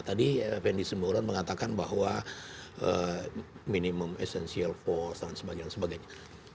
tadi fnd simbolon mengatakan bahwa minimum essential force dan sebagainya